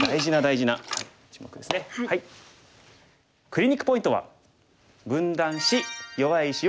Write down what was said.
クリニックポイントは。